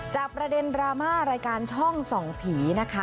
ประเด็นดราม่ารายการช่องส่องผีนะคะ